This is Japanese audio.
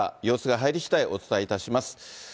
様子が入りしだい、お伝えいたします。